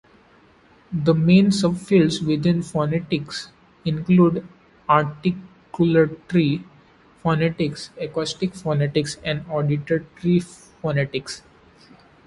The main subfields within phonetics include articulatory phonetics, acoustic phonetics, and auditory phonetics.